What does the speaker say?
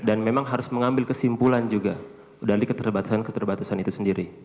dan memang harus mengambil kesimpulan juga dari keterbatasan keterbatasan itu sendiri